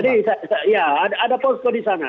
jadi ya ada posko di sana